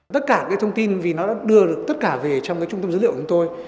tất cả cái thông tin vì nó đã đưa được tất cả về trong cái trung tâm dữ liệu của chúng tôi